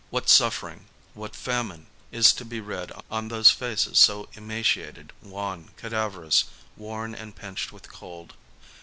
What suffering, what famine is to be read on those faces so emaciated, wan, cadaverous, worn and pinched with cold.